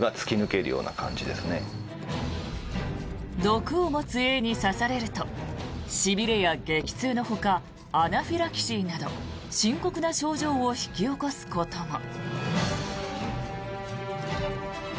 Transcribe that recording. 毒を持つエイに刺されるとしびれや激痛のほかアナフィラキシーなど深刻な症状を引き起こすことも。